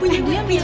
suatu hari pas